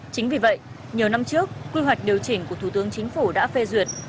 chính vì vậy nhiều năm trước quy hoạch điều chỉnh của thủ tướng chính phủ đã phê duyệt